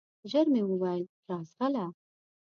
ژر مي وویل ! راځغله